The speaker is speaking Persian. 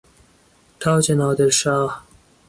تاج نادر شاه